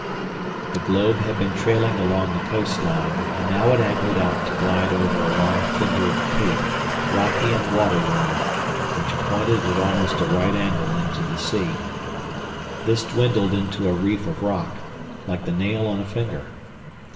The globe had been trailing along the coastline, and now it angled out to glide over a long finger of cape, rocky and waterworn, which pointed at almost a right angle into the sea. This dwindled into a reef of rock, like the nail on a finger.